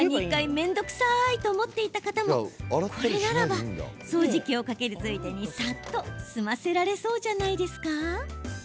面倒くさいと思っていた方もこれならば掃除機をかけるついでにさっと済ませられそうじゃない？